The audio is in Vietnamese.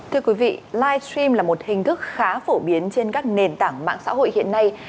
thưa quý vị live stream là một hình thức khá phổ biến trên các nền tảng mạng xã hội hiện nay